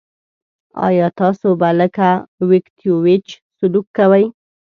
آیا تاسو به لکه ویتکیویچ سلوک کوئ.